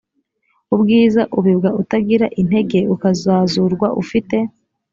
ubwiza ubibwa utagira intege ukazazurwa ufite